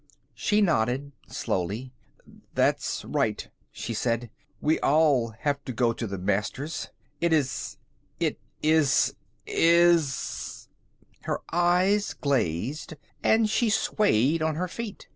She nodded slowly. "That's right," she said. "We all have to go to the Masters. It is it is is " Her eyes glazed, and she swayed on her feet.